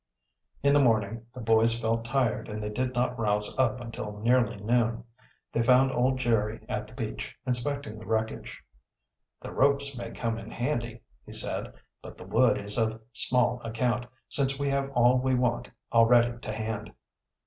In the morning the boys felt tired and they did not rouse up until nearly noon. They found old Jerry at the beach, inspecting the wreckage. "The ropes may come in handy," he said. "But the wood is of small account, since' we have all we want already to hand."